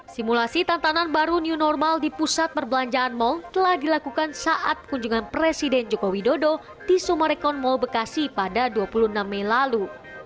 simulasi tatanan baru new normal di pusat perbelanjaan mal telah dilakukan saat kunjungan presiden joko widodo di sumarekon mall bekasi pada dua puluh enam mei lalu